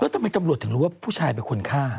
ทำไมตำรวจถึงรู้ว่าผู้ชายเป็นคนฆ่า